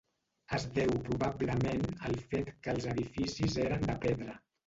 Es deu probablement al fet que els edificis eren de pedra.